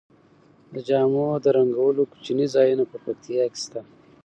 د جامو د رنګولو کوچني ځایونه په پکتیا کې شته.